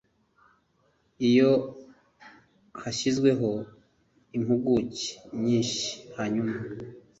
iyo hashyizweho impuguke nyinshi hanyuma